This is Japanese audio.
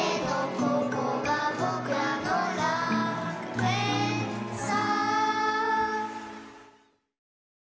「ここがぼくらの楽園さ」